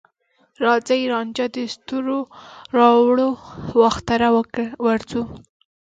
راځې رانجه د ستوروراوړو، واخترته ورځو